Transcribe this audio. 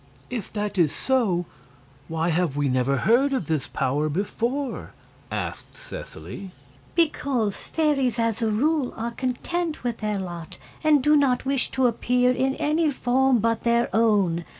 "If that is so, why have we never heard of this power before?" asked Seseley. "Because fairies, as a rule, are content with their lot, and do not wish to appear in any form but their own.